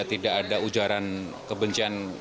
tidak ada ujaran kebencian